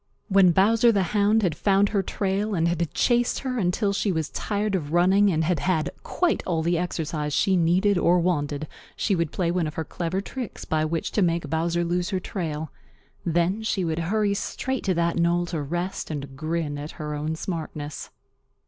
When Bowser the Hound had found her trail and had chased her until she was tired of running and had had quite all the exercise she needed or wanted, she would play one of her clever tricks by which to make Bowser lose her trail. Then she would hurry straight to that knoll to rest and grin at her own smartness.